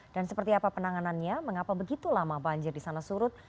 dan seperti apa penanganannya mengapa begitu lama banjir di sana surut